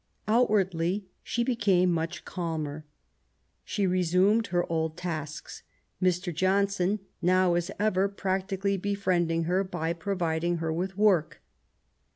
Outwardly she became much calmer. She resumed her old taskis ; Mr. Johnson now, as ever, practically befriending her by providing her with work.